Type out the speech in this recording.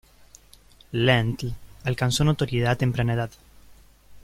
Lendl alcanzó notoriedad a temprana edad.